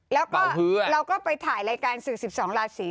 แล้วก็เราก็ไปถ่ายรายการสื่อ๑๒ราศี